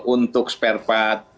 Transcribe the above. untuk spare part